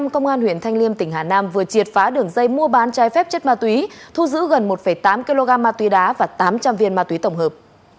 công an huyện thanh liêm tỉnh hà nam vừa triệt phá đường dây mua bán trái phép chất ma túy thu giữ gần một tám kg ma túy đá và tám trăm linh viên ma túy tổng hợp